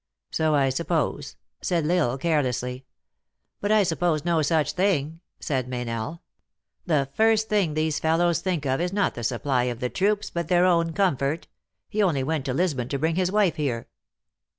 " So I suppose," said L Isle. carelessly. " But I suppose no such thing," said Meynell. "The first thing these fellows think of is not the supply of the troops, but their own comfort. He only went to Lisbon to bring his wife here."